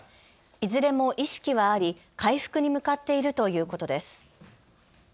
いずれも意識はあり、回復に向かっているということです。